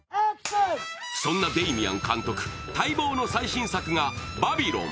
そんなデイミアン監督、待望の最新作が「バビロン」。